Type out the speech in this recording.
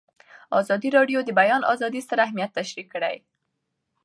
ازادي راډیو د د بیان آزادي ستر اهميت تشریح کړی.